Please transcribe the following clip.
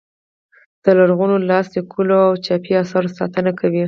د لرغونو لاس لیکلو او چاپي اثارو ساتنه کوي.